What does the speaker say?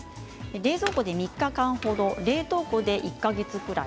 冷蔵庫で３日間ほど、冷凍庫で１か月ぐらい。